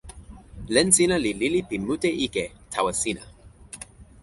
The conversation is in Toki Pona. len sina li lili pi mute ike tawa sina.